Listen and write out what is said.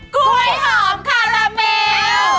กล้วยหอมคาราเมล